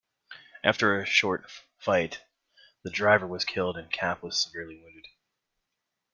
After a short fight, the driver was killed and Kapp was severely wounded.